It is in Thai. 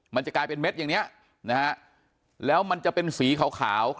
มันจะกลายเป็นเม็ดอย่างเนี้ยนะฮะแล้วมันจะเป็นสีขาว